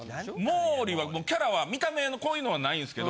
毛利はもうキャラは見た目こういうのないんですけど。